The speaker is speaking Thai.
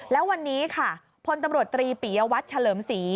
แล้ววันนี้ค่ะพลตำรวจตรีปียวัตรเฉลิมศรี